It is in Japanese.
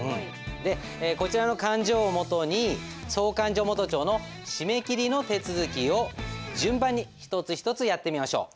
こちらの勘定を基に総勘定元帳の締め切りの手続きを順番に一つ一つやってみましょう。